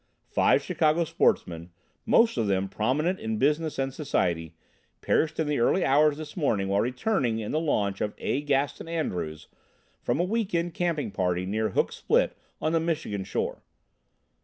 Five Chicago sportsmen, most of them prominent in business and society, perished in the early hours this morning while returning in the launch of A. Gaston Andrews from a weekend camping party near Hook Spit on the Michigan shore.